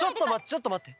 ちょっとまって！